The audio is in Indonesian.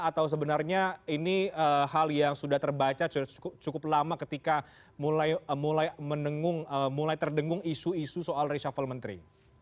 atau sebenarnya ini hal yang sudah terbaca cukup lama ketika mulai terdengung isu isu soal reshuffle menteri